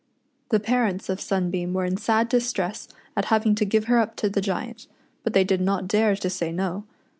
The parents of Sunbeam were in sad distress at having to give her up to the Giant ; but they did not dare to say no.